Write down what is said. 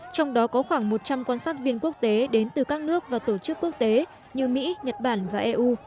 trong đó có khoảng một trăm linh quan sát viên quốc tế đến từ các nước và tổ chức quốc tế như mỹ nhật bản và eu